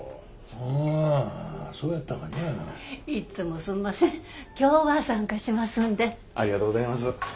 ありがとうございます。